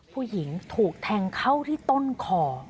ผู้หญิงถูกแทงเข้าที่ต้นคอ